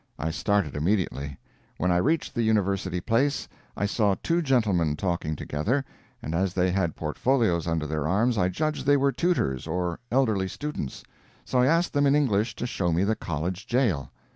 I started immediately. When I reached the University Place, I saw two gentlemen talking together, and, as they had portfolios under their arms, I judged they were tutors or elderly students; so I asked them in English to show me the college jail.